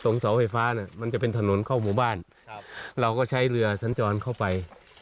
ตรงศาลไฟฟ้ามันจะเป็นถนนเข้ามุมบ้านเราก็ใช้เรือสัญจรเข้าไป